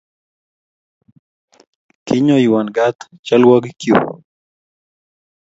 kiinyoiwa gat chalwokigkyu